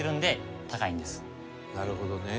なるほどね。